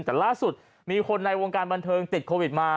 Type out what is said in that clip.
แต่ล่าสุดมีคนในวงการบันเทิงติดโควิดมา